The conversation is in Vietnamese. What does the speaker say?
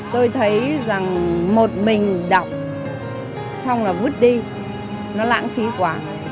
tôi thấy rằng một mình đọc xong là vứt đi nó lãng phí quá